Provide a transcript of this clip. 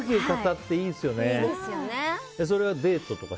それはデートとか？